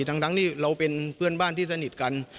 ทั้งที่เราเป็นเพื่อนบ้านที่สนิทกัน